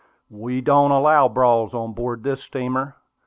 "We don't allow brawls on board this steamer.